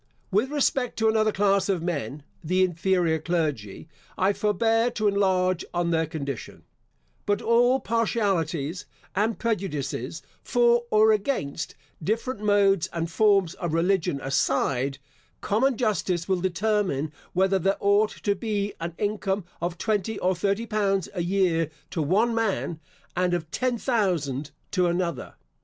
With respect to another class of men, the inferior clergy, I forbear to enlarge on their condition; but all partialities and prejudices for, or against, different modes and forms of religion aside, common justice will determine, whether there ought to be an income of twenty or thirty pounds a year to one man, and of ten thousand to another.